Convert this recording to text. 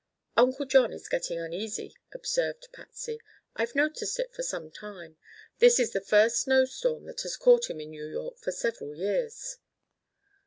"Uncle John is getting uneasy," observed Patsy. "I've noticed it for some time. This is the first snowstorm that has caught him in New York for several years."